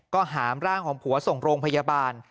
ก็หามร่างของผัวส่งโรงพยาบาล